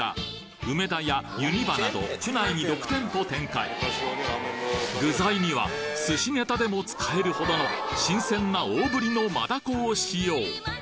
梅田やユニバなど府内に６店舗展開具材には寿司ネタでも使えるほどの新鮮な大ぶりのマダコを使用